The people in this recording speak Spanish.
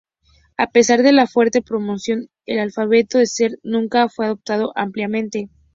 A pesar de la fuerte promoción, el alfabeto Deseret nunca fue adoptado ampliamente.